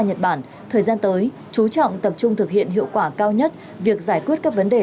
nhật bản thời gian tới chú trọng tập trung thực hiện hiệu quả cao nhất việc giải quyết các vấn đề